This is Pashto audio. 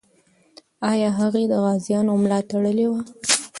آیا هغې د غازیانو ملا تړلې وه؟